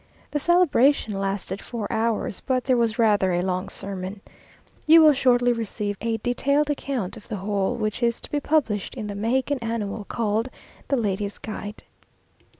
The celebration lasted four hours, but there was rather a long sermon. You will shortly receive a detailed account of the whole, which is to be published in the Mexican Annual, called "The Ladies' Guide."